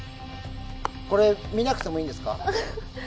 見なくてもいいんですか？